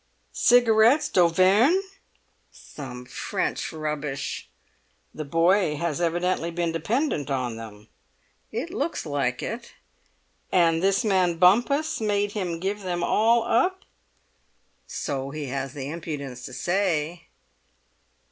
"Cigarettes d'Auvergne!" "Some French rubbish." "The boy has evidently been dependent on them?" "It looks like it." "And this man Bompas made him give them all up?" "So he has the impudence to say."